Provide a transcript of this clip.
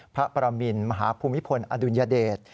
พระประมินมหาภูมิพลอดุลยเดช